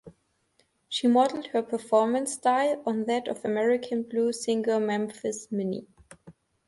She modeled her performance style on that of American blues singer Memphis Minnie.